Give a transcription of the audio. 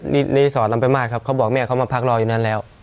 ที่นายศรนำไปมากครับเขาบอกแม่เขามาพักรองอยู่นั้นแล้ว